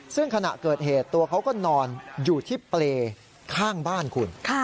ซึ่งขณะเกิดเหตุตัวเขาก็นอนอยู่ที่เปรย์ข้างบ้านคุณ